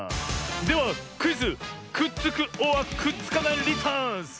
ではクイズ「くっつくｏｒくっつかないリターンズ」！